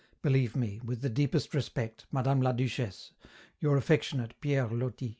Believe me, with the deepest respect, Madame la Duchesse, Your affectionate PIERRE LOTI.